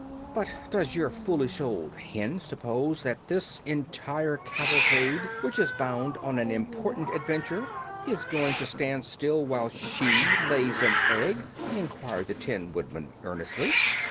"But does your foolish old hen suppose that this entire cavalcade, which is bound on an important adventure, is going to stand still while she lays her egg?" enquired the Tin Woodman, earnestly.